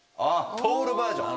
トールバージョン。